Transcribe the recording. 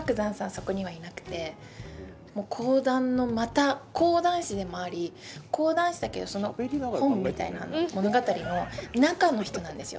そこにはいなくて講談のまた講談師でもあり講談師だけど、その本みたいな物語の中の人なんですよ。